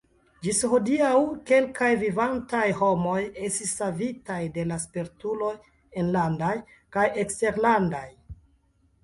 Ĝis hodiaŭ kelkaj vivantaj homoj estis savitaj de la spertuloj enlandaj kaj eksterlandaj.